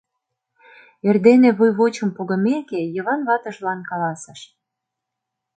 Эрдене вуйвочым погымеке, Йыван ватыжлан каласыш: